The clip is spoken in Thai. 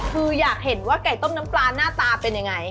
คืออยากเห็นว่าไก่ต้มน้ำปลาหน้าตาเป็นยังไง